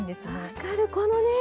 分かるこのね！